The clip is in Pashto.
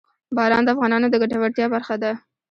باران د افغانانو د ګټورتیا برخه ده.